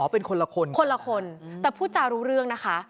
เป็นคนละคนคนละคนแต่พูดจารู้เรื่องนะคะ